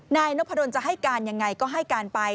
นายนพดลจะให้การยังไงก็ให้การไป